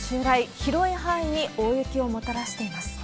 広い範囲に大雪をもたらしています。